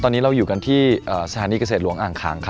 ตอนนี้เราอยู่กันที่สถานีเกษตรหลวงอ่างคางครับ